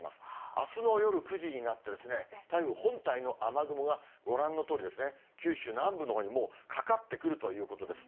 あすの夜９時になってですね、台風本体の雨雲がご覧のとおり、九州南部のほうにもうかかってくるということです。